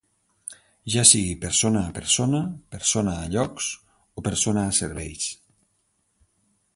Ja sigui persona a persona, persona a llocs o persona a serveis.